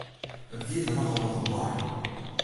It gie der nochal wat om wei!